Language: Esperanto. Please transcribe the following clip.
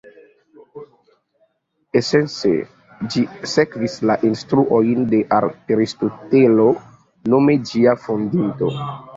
Esence, ĝi sekvis la instruojn de Aristotelo, nome ĝia fondinto.